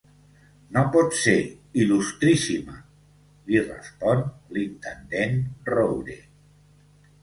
No pot ser, il·lustríssima —li respon l'intendent Roure.